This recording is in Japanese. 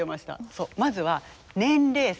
そうまずは年齢差。